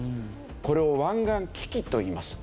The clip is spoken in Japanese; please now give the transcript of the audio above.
これを湾岸危機といいます。